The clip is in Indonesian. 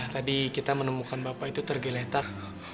tadi kita menemukan bapak itu tergeletak